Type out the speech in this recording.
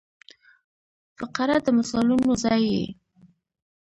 فقره د مثالونو ځای يي.